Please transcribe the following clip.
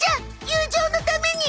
友情のために！